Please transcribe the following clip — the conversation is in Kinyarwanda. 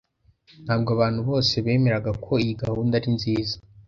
Ntabwo abantu bose bemeraga ko iyi gahunda ari nziza.